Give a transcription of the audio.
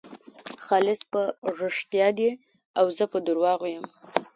خالص په رښتیا دی او زه په درواغو یم.